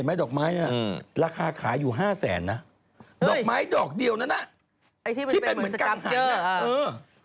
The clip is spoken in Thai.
ไอ้ที่มันเป็นเหมือนสตรับเจอร์น่ะที่เป็นเหมือนสตรับเจอร์